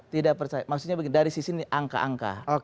tidak percaya maksudnya begini dari sisi ini angka angka